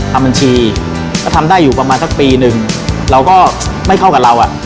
ทำบัญชีก็ทำได้อยู่ประมาณสักปีหนึ่งเราก็ไม่เข้ากับเราอ่ะ